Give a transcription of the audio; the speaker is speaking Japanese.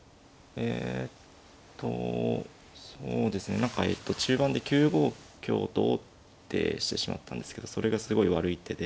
何か中盤で９五香と王手してしまったんですけどそれがすごい悪い手で。